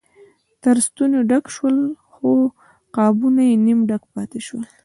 تر ستوني ډک شول خو قابونه یې نیم ډک پاتې شول.